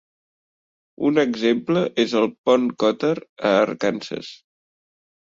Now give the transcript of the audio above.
Un exemple és el Pont Cotter a Arkansas.